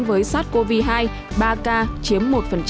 với sars cov hai là ba ca chiếm một